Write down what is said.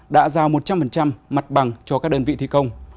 đã giao một trăm linh mặt bằng cho các đơn vị thi công